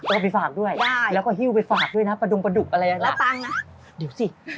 เอาไปฝากด้วยแล้วก็ฮิวไปฝากด้วยนะประดุงประดุกอะไรอย่างนั้น